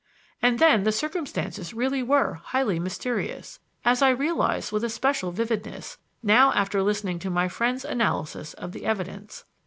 And then the circumstances really were highly mysterious, as I realized with especial vividness now after listening to my friend's analysis of the evidence.